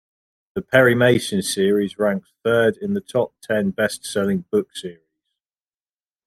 The Perry Mason series ranks third in the top ten best selling book series.